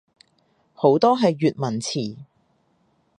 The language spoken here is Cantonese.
好多係粵文詞